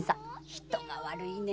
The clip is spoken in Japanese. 人が悪いね。